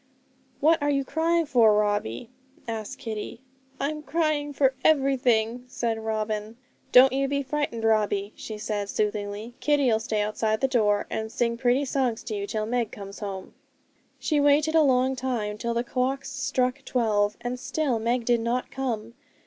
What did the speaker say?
'What are you crying for, Robbie?' asked Kitty. 'I'm crying for everything,' said Robin. 'Don't you be frightened, Robbie,' she said soothingly; 'Kitty'll stay outside the door, and sing pretty songs to you, till Meg comes home.' She waited a long time, till the clocks struck twelve, and still Meg did not come.